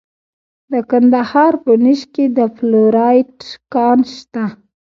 د کندهار په نیش کې د فلورایټ کان شته.